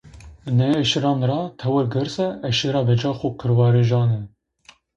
Nê eşîran ra tewr girse eşîra bicax û qirwarijan ê.